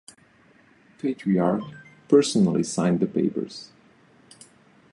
Patriarch personally signed the papers.